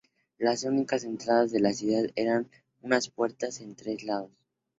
Las únicas entradas de la ciudad eran unas puertas en tres lados.